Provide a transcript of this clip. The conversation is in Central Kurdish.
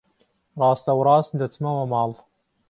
ڕاستەوڕاست دەچمەوە ماڵ.